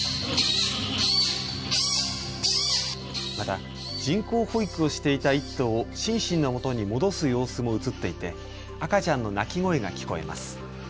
また、人工保育をしていた１頭をシンシンのもとに戻す様子も写っていて赤ちゃんの鳴き声が聞こえます。